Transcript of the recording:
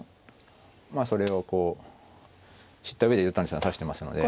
まあそれをこう知った上で糸谷さんは指してますので。